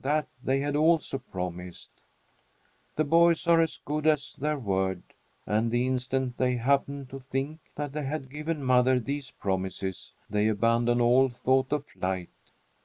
That they had also promised. The boys are as good as their word, and the instant they happen to think that they had given mother these promises, they abandon all thought of flight.